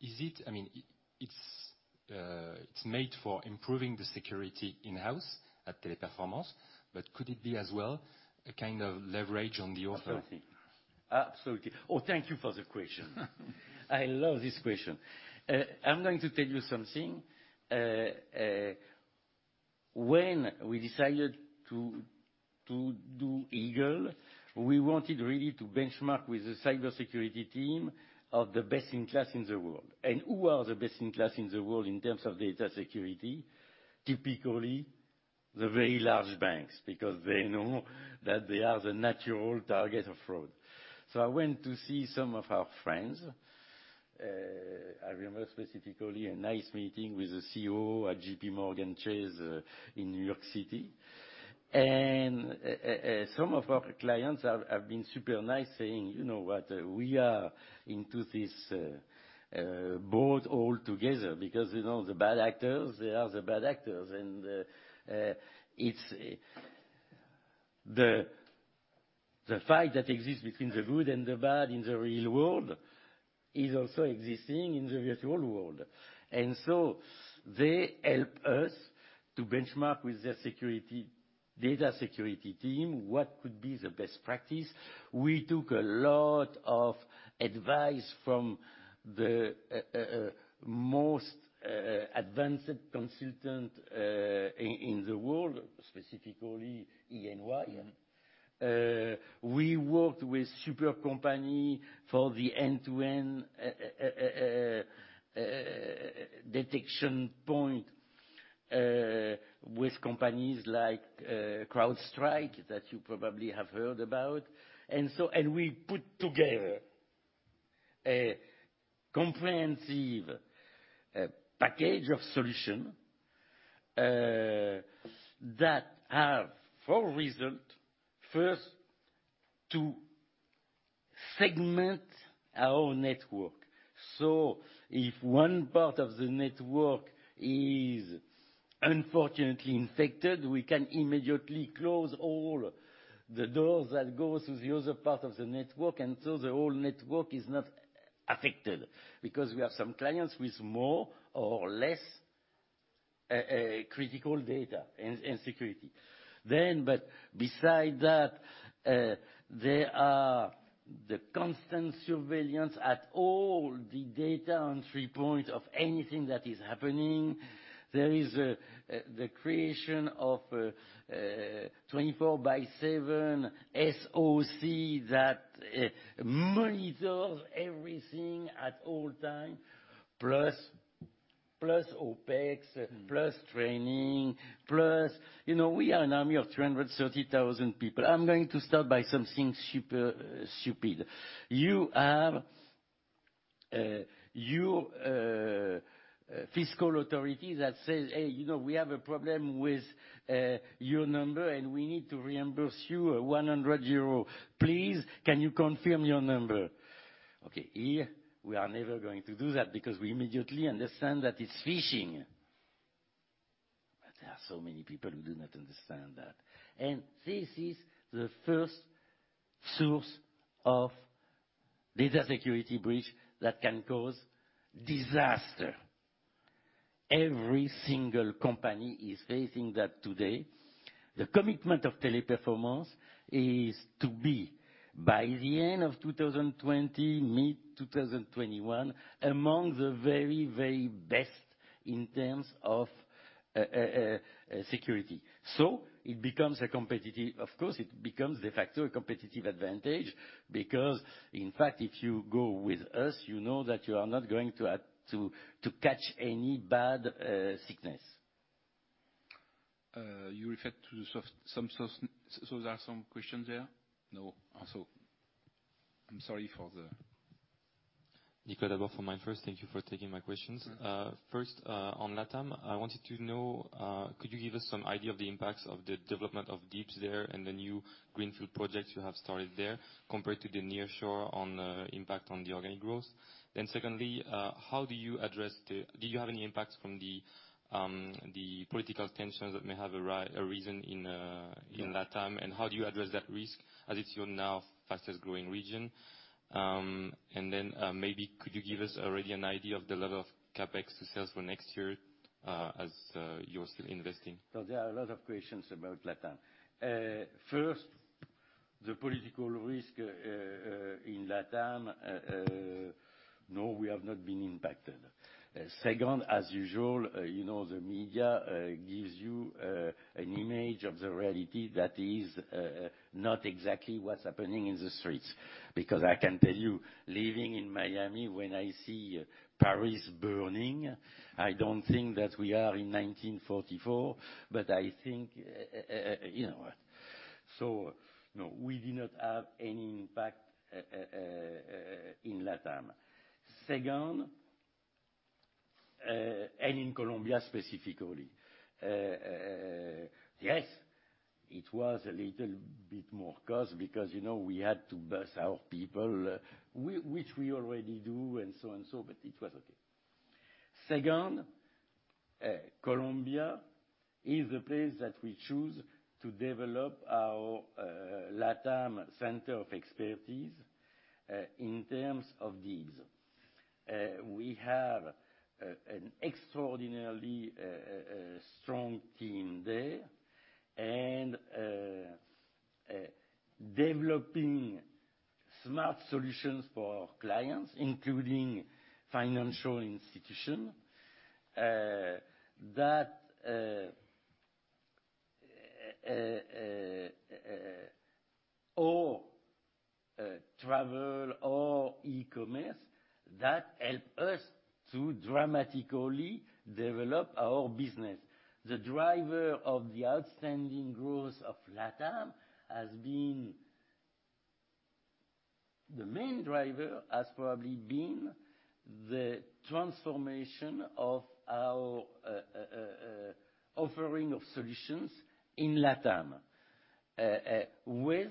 It's made for improving the security in-house at Teleperformance, but could it be as well a kind of leverage on the offer? Absolutely. Oh, thank you for the question. I love this question. I'm going to tell you something. When we decided to do Eagle, we wanted really to benchmark with the cybersecurity team of the best-in-class in the world. Who are the best-in-class in the world in terms of data security? Typically, the very large banks, because they know that they are the natural target of fraud. I went to see some of our friends. I remember specifically a nice meeting with the CEO at JPMorgan Chase in New York City. Some of our clients have been super nice saying, "You know what, we are into this boat all together." Because the bad actors, they are the bad actors. The fight that exists between the good and the bad in the real world is also existing in the virtual world. They help us to benchmark with their data security team what could be the best practice. We took a lot of advice from the most advanced consultant in the world, specifically EY. We worked with super company for the end-to-end detection point with companies like CrowdStrike that you probably have heard about. We put together a comprehensive package of solution that have four result. First, to segment our network. If one part of the network is unfortunately infected, we can immediately close all the doors that go to the other part of the network, and so the whole network is not affected because we have some clients with more or less critical data and security. Beside that, there are the constant surveillance at all the data on three points of anything that is happening. There is the creation of a 24/7 SOC that monitors everything at all time. Plus OpEx, plus training. We are an army of 330,000 people. I'm going to start by something stupid. Your fiscal authority that says, "Hey, we have a problem with your number, and we need to reimburse you 100 euros. Please, can you confirm your number?" Okay. Here, we are never going to do that because we immediately understand that it's phishing. There are so many people who do not understand that. This is the first source of data security breach that can cause disaster. Every single company is facing that today. The commitment of Teleperformance is to be, by the end of 2020, mid-2021, among the very best in terms of security. It becomes, de facto, a competitive advantage because, if you go with us, you know that you are not going to catch any bad sickness. You referred to some softness. There are some questions there? No. I'm sorry for that. Thank you for taking my questions. First, on LatAm, I wanted to know, could you give us some idea of the impacts of the development of D.I.B.S. there and the new greenfield projects you have started there compared to the nearshore on impact on the organic growth? Secondly, do you have any impacts from the political tensions that may have arisen in LatAm? Yeah. How do you address that risk, as it's your now fastest-growing region? Maybe could you give us already an idea of the level of CapEx to sales for next year, as you're still investing? There are a lot of questions about LatAm. First, the political risk in LatAm, no, we have not been impacted. Second, as usual, the media gives you an image of the reality that is not exactly what's happening in the streets, because I can tell you, living in Miami, when I see Paris burning, I don't think that we are in 1944. No, we do not have any impact in LatAm and in Colombia specifically. Yes, it was a little bit more cost because we had to bus our people, which we already do and so on, but it was okay. Second, Colombia is the place that we choose to develop our LatAm center of expertise in terms of D.I.B.S. We have an extraordinarily strong team there, and developing smart solutions for our clients, including financial institution, or travel or e-commerce, that help us to dramatically develop our business. The main driver has probably been the transformation of our offering of solutions in LatAm, either with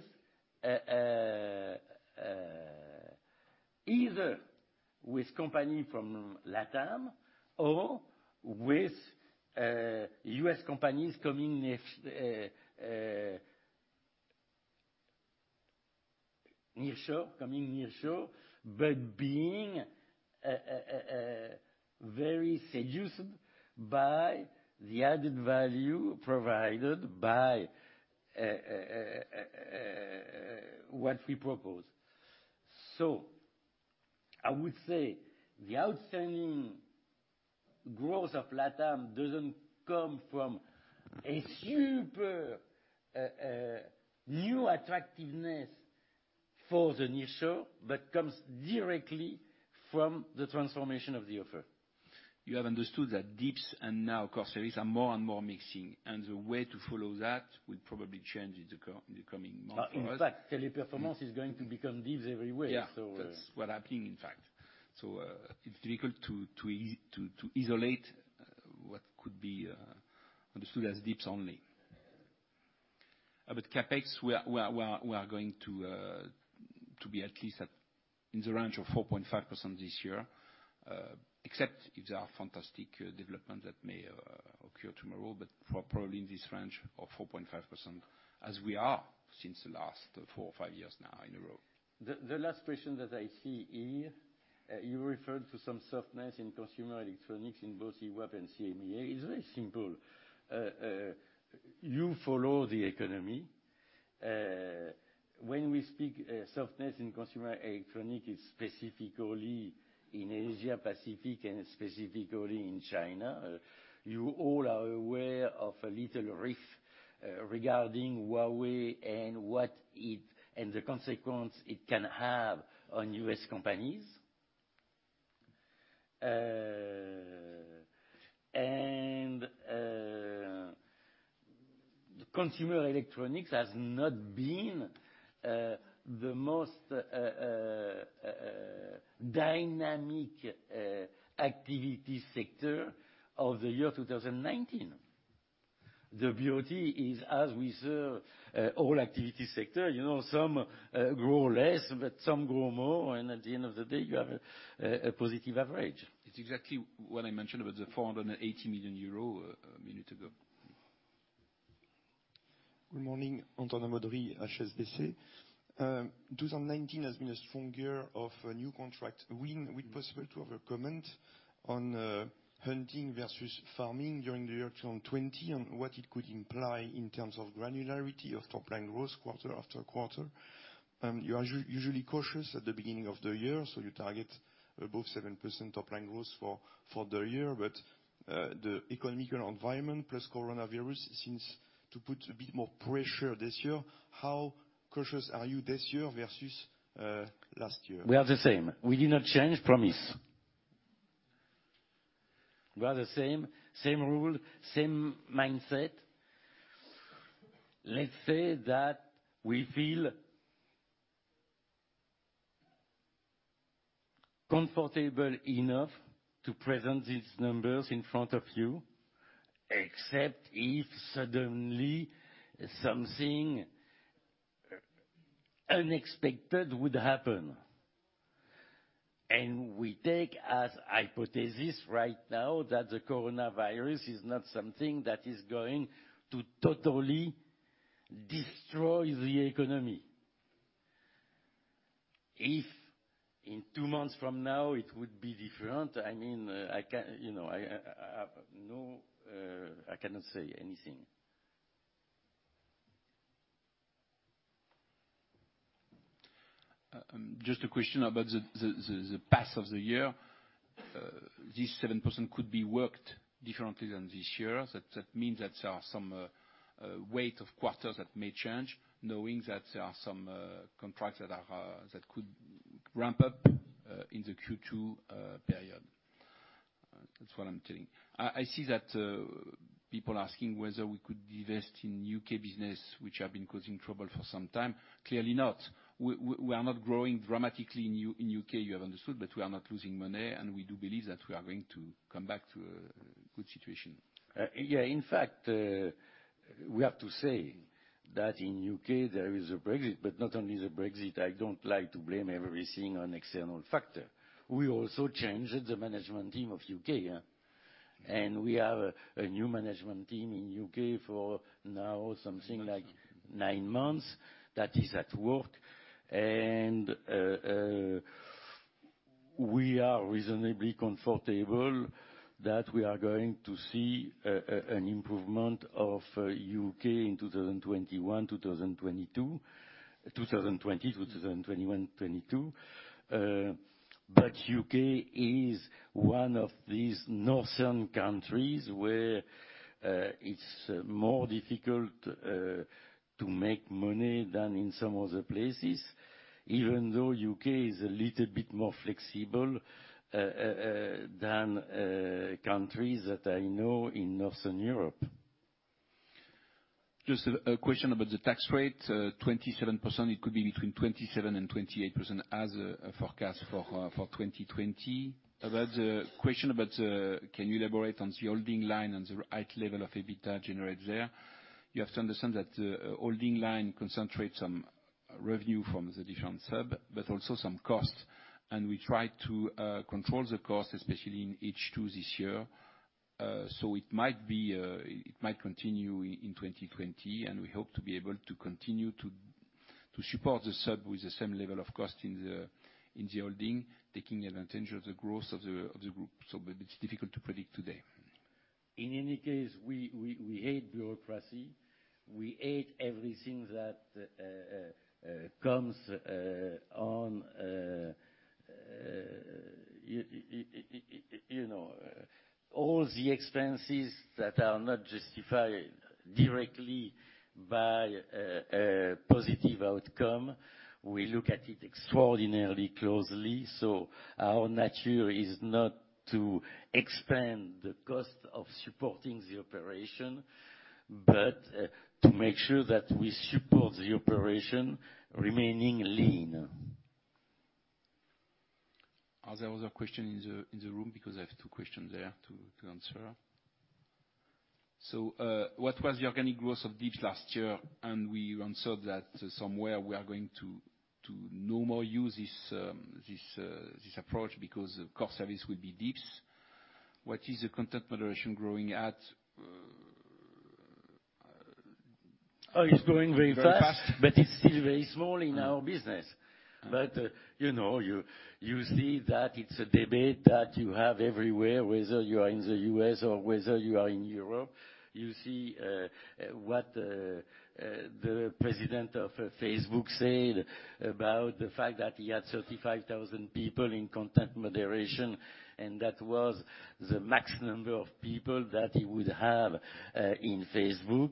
company from LatAm or with U.S. companies coming nearshore, but being very seduced by the added value provided by what we propose. I would say the outstanding growth of LatAm doesn't come from a super new attractiveness for the nearshore, but comes directly from the transformation of the offer. You have understood that D.I.B.S. and now core services are more and more mixing, and the way to follow that will probably change in the coming months for us. In fact, Teleperformance is going to become D.I.B.S. anyway. Yeah. That's what happening in fact. It's difficult to isolate what could be understood as D.I.B.S. only. CapEx, we are going to be at least in the range of 4.5% this year, except if there are fantastic development that may occur tomorrow, but probably in this range of 4.5%, as we are since the last four or five years now in a row. The last question that I see here, you referred to some softness in consumer electronics in both EWAP and EMEA. It's very simple. You follow the economy. When we speak softness in consumer electronics, it's specifically in Asia-Pacific and specifically in China. You all are aware of a little rift regarding Huawei and the consequence it can have on U.S. companies. Consumer electronics has not been the most dynamic activity sector of the year 2019. The beauty is, as with all activity sectors, some grow less, but some grow more, and at the end of the day, you have a positive average. It's exactly what I mentioned about the 480 million euro a minute ago. Good morning, Antonin Baudry, HSBC. 2019 has been a strong year of new contract win. Would it be possible to have a comment on hunting versus farming during the year 2020, and what it could imply in terms of granularity of top line growth quarter after quarter? You are usually cautious at the beginning of the year, so you target above 7% top line growth for the year. The economic environment, plus coronavirus seems to put a bit more pressure this year. How cautious are you this year versus last year? We are the same, we do not change promise. We are the same, same rule, same mindset. Let's say that we feel comfortable enough to present these numbers in front of you, except if suddenly something unexpected would happen. We take as hypothesis right now that the coronavirus is not something that is going to totally destroy the economy. If in two months from now it would be different, I cannot say anything. Just a question about the path of the year. This 7% could be worked differently than this year. That means that there are some weight of quarters that may change, knowing that there are some contracts that could ramp up in the Q2 period. That's what I'm telling. I see that people asking whether we could divest in U.K. business, which have been causing trouble for some time. Clearly not. We are not growing dramatically in U.K., you have understood, but we are not losing money, and we do believe that we are going to come back to a good situation. In fact, we have to say that in U.K. there is a Brexit, not only the Brexit. I don't like to blame everything on external factor. We also changed the management team of U.K. We have a new management team in U.K. for, now, something like nine months, that is at work. We are reasonably comfortable that we are going to see an improvement of U.K. in 2020, 2021, 2022. U.K. is one of these northern countries where it's more difficult to make money than in some other places, even though U.K. is a little bit more flexible than countries that I know in Northern Europe. Just a question about the tax rate, 27%, it could be between 27% and 28% as forecast for 2020. I have a question about, can you elaborate on the holding line and the right level of EBITDA generated there? You have to understand that the holding line concentrates on revenue from the different hub, but also some cost. We try to control the cost, especially in H2 this year. It might continue in 2020, and we hope to be able to continue to support the hub with the same level of cost in the holding, taking advantage of the growth of the group. It's difficult to predict today. In any case, we hate bureaucracy. We hate all the expenses that are not justified directly by a positive outcome, we look at it extraordinarily closely. Our nature is not to expand the cost of supporting the operation, but to make sure that we support the operation remaining lean. Are there other questions in the room? I have two questions there to answer. What was the organic growth of D.I.B.S. last year? We answered that somewhere, we are going to no more use this approach because the core service will be D.I.B.S. What is the content moderation growing at? Oh, it's growing very fast... Very fast. ...but it's still very small in our business. You see that it's a debate that you have everywhere, whether you are in the U.S. or whether you are in Europe. You see what the president of Facebook said about the fact that he had 35,000 people in content moderation, and that was the max number of people that he would have in Facebook.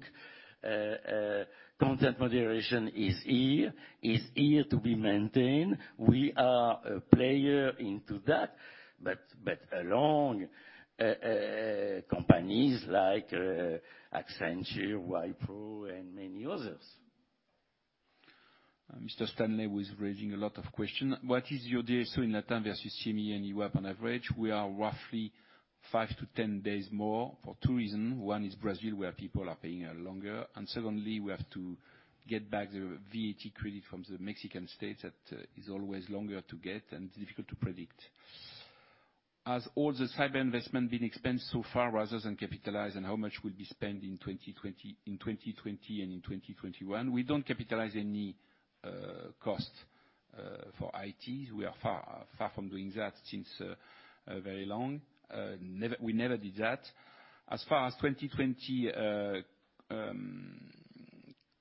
Content moderation is here to be maintained. We are a player into that, but along companies like Accenture, Wipro, and many others. Mr. Stanley was raising a lot of questions. What is your DSO in LatAm versus EMEA and Europe on average? We are roughly 5-10 days more for two reasons. One is Brazil, where people are paying longer. Secondly, we have to get back the VAT credit from the Mexican state that is always longer to get and difficult to predict. Has all the cyber investment been expensed so far rather than capitalized, and how much will be spent in 2020 and in 2021? We don't capitalize any cost for IT. We are far from doing that since very long. We never did that. As far as 2020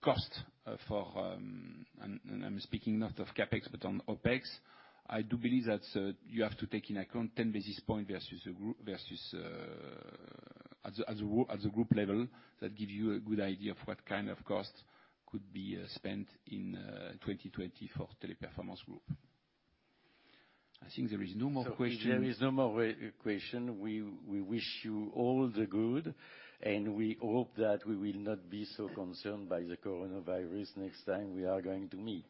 cost for, and I'm speaking not of CapEx but on OpEx, I do believe that you have to take into account 10 basis points versus at the group level. That give you a good idea of what kind of cost could be spent in 2020 for Teleperformance group. I think there is no more question. If there is no more question, we wish you all the good, and we hope that we will not be so concerned by the coronavirus next time we are going to meet.